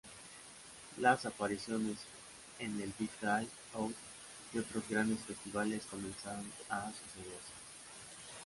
Las apariciones en el Big Day Out y otros grandes festivales comenzaron a sucederse.